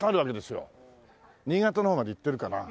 新潟の方までいってるかな？